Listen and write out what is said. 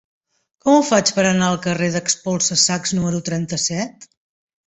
Com ho faig per anar al carrer d'Espolsa-sacs número trenta-set?